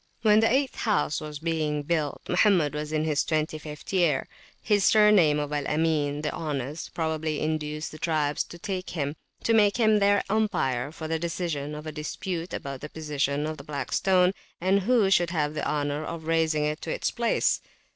When the eighth house was being built Mohammed was in his twenty fifth year. His surname of Al Amin, the Honest, probably induced the tribes to make him their umpire for the decision of a dispute about the position of the Black Stone, and who should have the honour of raising it to its place.